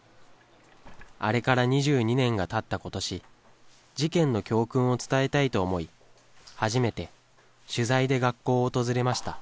あれから２２年がたったことし、事件の教訓を伝えたいと思い、初めて取材で学校を訪れました。